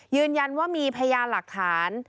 ยืนยันว่ามีพยานหลักฐาน